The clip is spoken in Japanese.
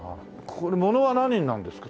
これものは何になるんですか？